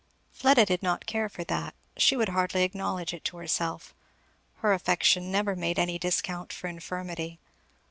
Fleda did not care for that; she would hardly acknowledge it to herself; her affection never made any discount for infirmity.